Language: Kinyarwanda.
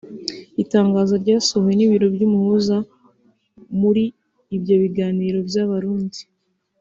Itangazo ryasohowe n’ibiro by’umuhuza muri ibyo biganiro by’Abarundi